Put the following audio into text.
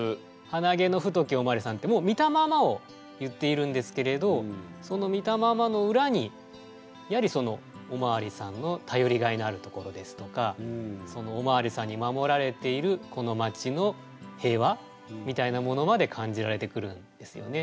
「はなげの太きお巡りさん」ってもう見たままを言っているんですけれどその見たままのうらにやはりそのお巡りさんのたよりがいのあるところですとかそのお巡りさんに守られているこの町の平和みたいなものまで感じられてくるんですよね。